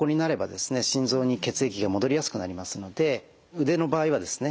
心臓に血液が戻りやすくなりますので腕の場合はですね